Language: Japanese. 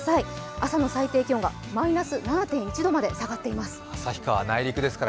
朝の最低気温がマイナス７．１度まで下がっています。